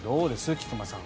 菊間さん